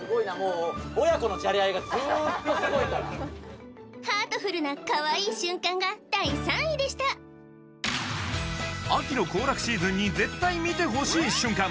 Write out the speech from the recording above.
スゴいからハートフルなかわいい瞬間が第３位でした秋の行楽シーズンに絶対見てほしい瞬間